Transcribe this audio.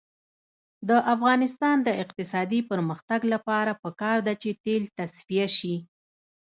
د افغانستان د اقتصادي پرمختګ لپاره پکار ده چې تیل تصفیه شي.